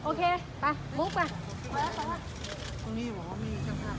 โอเคไปโมฟไปโอเค